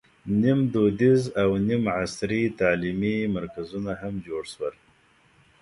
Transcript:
نیم دودیز او نیم عصري تعلیمي مرکزونه هم جوړ شول.